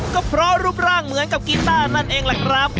ก็เพราะรูปร่างเหมือนกับกีต้านั่นเองล่ะครับ